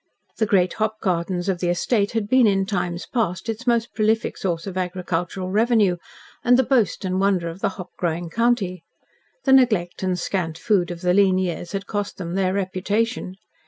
The great hop gardens of the estate had been in times past its most prolific source of agricultural revenue and the boast and wonder of the hop growing county. The neglect and scant food of the lean years had cost them their reputation.